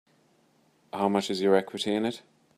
How much is your equity in it?